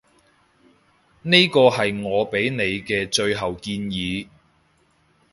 呢個係我畀你嘅最後建議